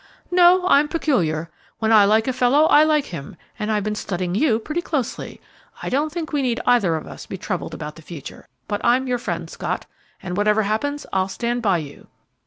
"No; I'm peculiar. When I like a fellow, I like him; and I've been studying you pretty closely. I don't think we need either of us be troubled about the future; but I'm your friend, Scott, and, whatever happens, I'll stand by you."